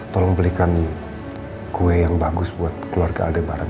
tolong belikan kue yang bagus buat keluarga aldebaran